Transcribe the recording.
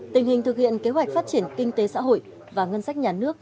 tình hình thực hiện kế hoạch phát triển kinh tế xã hội và ngân sách nhà nước